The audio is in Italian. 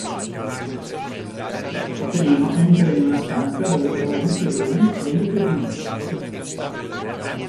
Paperino entra in una stanza dove trova Mickey Rooney, e gli chiede un autografo.